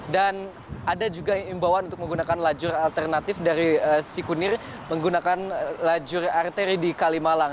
dan ada juga imbauan untuk menggunakan lajur alternatif dari cikunir menggunakan lajur arteri di kalimalang